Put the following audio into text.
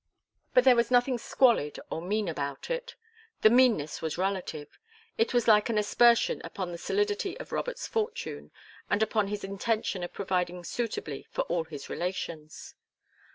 But there was nothing squalid or mean about it all. The meanness was relative. It was like an aspersion upon the solidity of Robert's fortune, and upon his intention of providing suitably for all his relations.